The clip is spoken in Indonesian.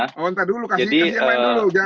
oh entar dulu kasih emen dulu